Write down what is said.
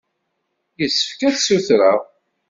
Yessefk ad ssutreɣ.